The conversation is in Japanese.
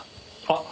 あっ！